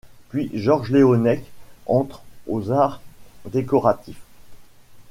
Puis Georges Léonnec entre aux Arts décoratifs.